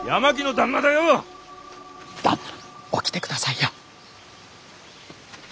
旦那起きてくださいよ。